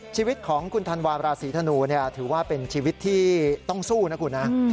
ชีวิตของคุณธันวาราศีธนูถือว่าเป็นชีวิตที่ต้องสู้นะคุณนะ